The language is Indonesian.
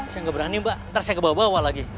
saya gak berani mbak ntar saya kebawa bawa lagi